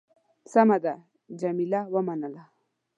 سمه ده. جميله ومنله.